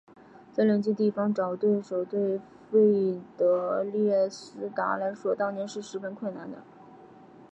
在邻近地方找对手对费德列斯达来说当年是十分困难的。